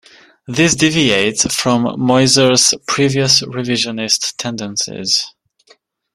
This deviates from Mosier's previous revisionist tendencies.